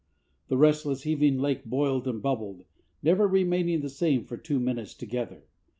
The restless, heaving lake boiled and bubbled, never remaining the same for two minutes together.